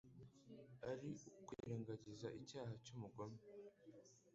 Ari ukwirengagiza icyaha cy’umugome